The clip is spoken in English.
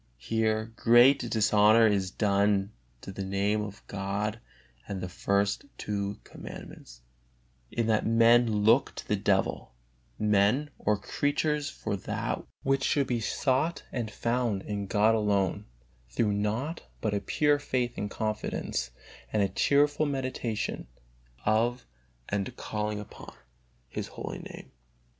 Here great dishonor is done the Name of God and the first two Commandments, in that men look to the devil, men or creatures for that which should be sought and found in God alone, through naught but a pure faith and confidence, and a cheerful meditation of and calling upon His holy Name.